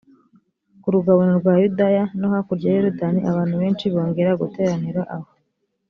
ku rugabano rwa yudaya no hakurya ya yorodani abantu benshi bongera guteranira aho